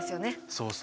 そうそう。